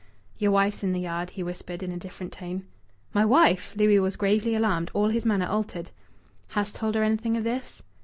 "Yer wife's in the yard," he whispered in a different tone. "My wife!" Louis was gravely alarmed; all his manner altered. "Hast told her anything of this?"